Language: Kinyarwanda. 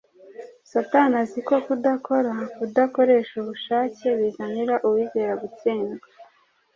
Satani azi ko kudakora, kudakoresha ubushake, bizanira uwizera gutsindwa